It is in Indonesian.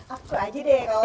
aku aja deh